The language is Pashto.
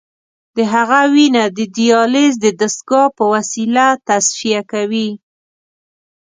د هغه وینه د دیالیز د دستګاه په وسیله تصفیه کوي.